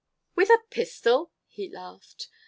"With a pistol?" He laughed.